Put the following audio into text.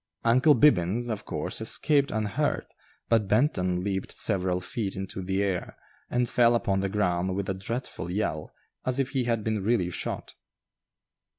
"Uncle Bibbins," of course, escaped unhurt, but Benton leaped several feet into the air, and fell upon the ground with a dreadful yell, as if he had been really shot.